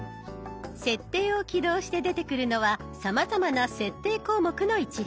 「設定」を起動して出てくるのはさまざまな設定項目の一覧。